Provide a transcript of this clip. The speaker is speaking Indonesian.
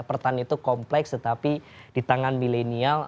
pertanian itu kompleks tetapi di tangan milenial